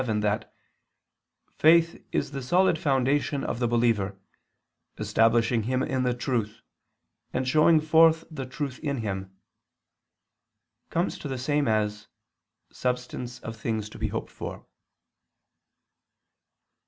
vii) that "faith is the solid foundation of the believer, establishing him in the truth, and showing forth the truth in him," comes to the same as "substance of things to be hoped for."